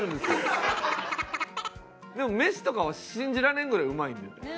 でも飯とかは信じられんぐらいうまいんでね。